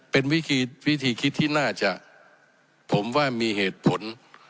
เป็นวิธีวิธีคิดที่น่าจะผมว่ามีเหตุผล